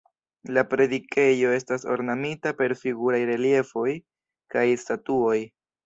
La predikejo estas ornamita per figuraj reliefoj kaj statuoj.